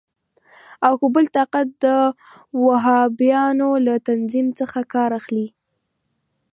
او که بل طاقت د وهابیانو له تنظیم څخه کار اخلي.